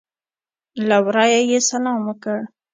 له ورایه یې سلام وکړ.